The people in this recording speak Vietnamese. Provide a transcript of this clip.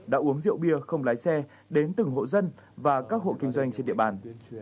đã uống rượu bia không lái xe đến từng hộ dân và các hộ kinh doanh trên địa bàn